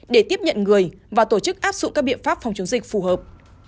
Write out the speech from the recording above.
để tiếp nhận người và tổ chức áp dụng các biện pháp phòng chống dịch phù hợp